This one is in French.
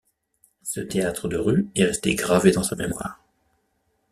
Ce théâtre de rue est resté gravé dans sa mémoire.